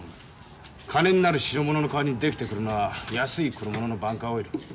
金になるシロモノの代わりに出来てくるのは安いクロモノのバンカーオイル。